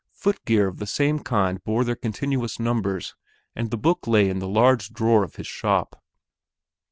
Footgear of the same kind bore their continuous numbers, and the book lay in the large drawer of his shop.